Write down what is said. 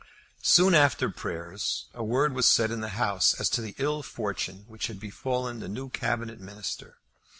Soon after prayers, a word was said in the House as to the ill fortune which had befallen the new Cabinet Minister.